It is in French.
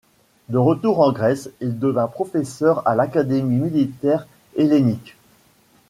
De retour en Grèce, il devint professeur à l'Académie militaire hellénique.